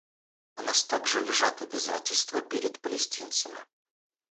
На нас также лежат обязательства перед палестинцами.